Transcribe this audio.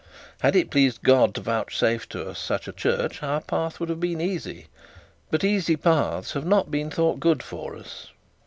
Had it pleased God to vouchsafe to us such a church our path would have been easy. But easy paths have not been thought good for us.'